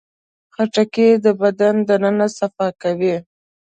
خټکی د بدن دننه صفا کوي.